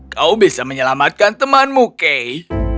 kau bisa menyelamatkan temanmu kay